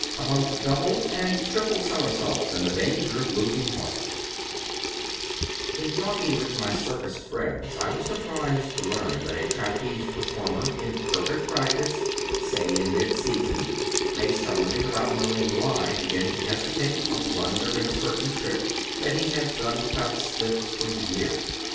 II ABOUT DOUBLE AND TRIPLE SOMERSAULTS AND THE DANGER OF LOSING HEART IN talking with my circus friends I was surprised to learn that a trapeze performer in perfect practice, say in mid season, may suddenly, without knowing why, begin to hesitate or blunder in a certain trick that he has done without a slip for years.